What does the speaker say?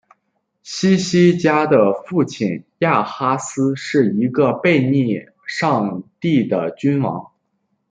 希西家的父亲亚哈斯是一个背逆上帝的君王。